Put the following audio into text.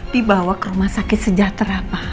dia bawa ke rumah sakit sejahtera pa